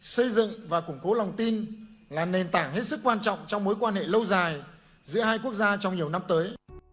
xây dựng và củng cố lòng tin là nền tảng hết sức quan trọng trong mối quan hệ lâu dài giữa hai quốc gia trong nhiều năm tới